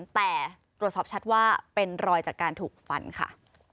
แต่ตรวจสอบชัดว่าเป็นรอยจากการถูกฟันค่ะ